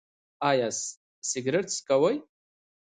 ایا سګرټ څکوئ؟